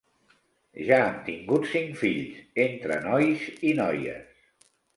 Ja han tingut cinc fills, entre nois i noies.